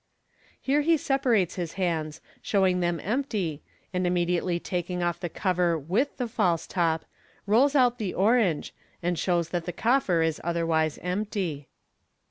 Here he separates his hands* showing them empty, and immediately taking off the cover with tha false top, rolls out the orange, and shows that the coffer is otherwise empty.